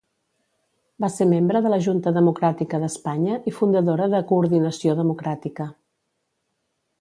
Va ser membre de la Junta Democràtica d'Espanya i fundadora de Coordinació Democràtica.